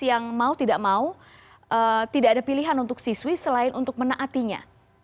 yang mau tidak mau tidak ada pilihan untuk siswi selain untuk menaatinya